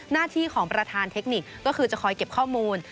หน้าที่ของประธานเทคนิคก็คือจะคอยเก็บข้อมูล